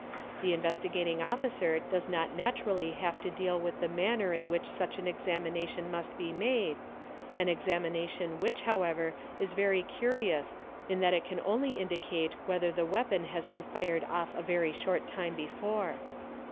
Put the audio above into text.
Spey eae ee The Investigating Officer does not naturally have to deal with the manner in which such an examination must be made, an examination i which however is very curious in that it can only indicate whether the weapon has been fired off a very short time before.